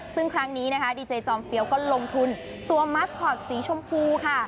ซึ่งครั้งนี้นะคะดีเจจอมเฟียวก็ลงทุนสวมมัสคอตสีชมพูค่ะ